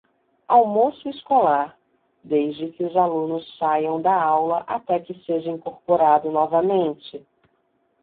Almoço escolar: desde que os alunos saiam da aula até que seja incorporado novamente.